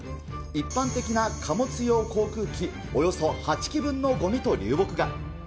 一般的な貨物用航空機およそ８機分のごみと流木が。